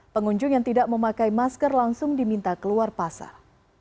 pengunjung yang tidak memakai masker langsung diminta keluar pasar